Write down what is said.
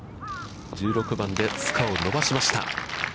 １６番で、スコアを伸ばしました。